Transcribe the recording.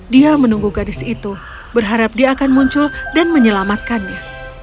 dia menunggu gadis itu berharap dia akan muncul dan menyelamatkannya